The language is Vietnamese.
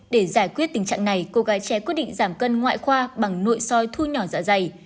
để giải quyết tình trạng này cô gái trẻ quyết định giảm cân ngoại khoa bằng nội soi thu nhỏ dạ dày